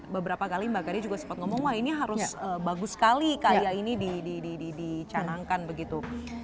beberapa kali mbak gadi juga sempat ngomong wah ini harus bagus sekali karya ini dicanangkan begitu